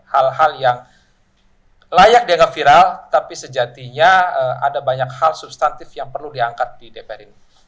hal hal yang layak dianggap viral tapi sejatinya ada banyak hal substantif yang perlu diangkat di dpr ini